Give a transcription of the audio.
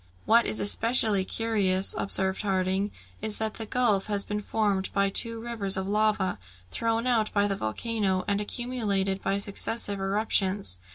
"What is especially curious," observed Harding, "is that the gulf has been formed by two rivers of lava, thrown out by the volcano, and accumulated by successive eruptions.